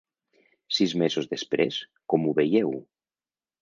Sis mesos després, com ho veieu?